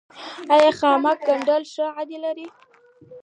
آیا د خامک ګنډل ښه عاید لري؟